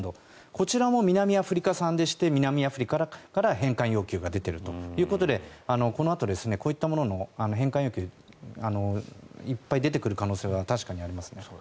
こちらも南アフリカ産でして南アフリカから返還要求が出ているということでこのあとこういったものの返還要求がいっぱい出てくる可能性は確かにありますね。